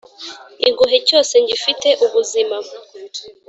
igohe cyose ngifite ubuzima